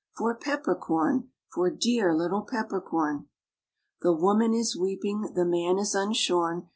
For Pepper Corn, For dear little Pepper Corn ! The woman is weeping, the man is unshorn.